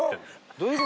どういう事？